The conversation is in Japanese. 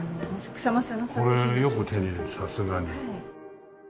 これよく手に入れたさすがに。